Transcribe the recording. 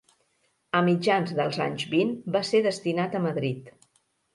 A mitjans dels anys vint va ser destinat a Madrid.